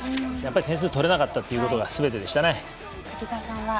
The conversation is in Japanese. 点数取れなかったということがすべてでしたね。